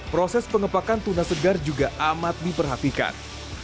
proses pengepakan tuna segar juga amat diperhatikan